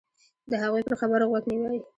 د هغوی پر خبرو غوږ نیوی.